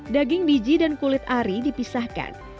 daging biji dan kulit ari dipisahkan